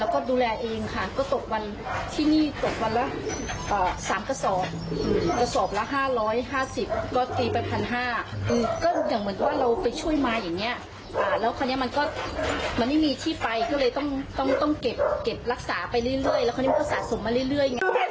ก็เลยต้องเก็บรักษาไปเรื่อยแล้วเขาเนี่ยมันก็สะสมมาเรื่อย